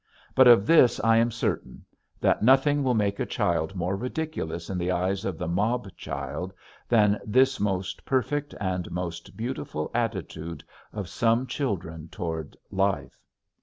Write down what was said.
But of this I am certain, that nothing will make a child more ridiculous in the eyes of the mob child than this most perfect and most beautiful attitude of some children toward life.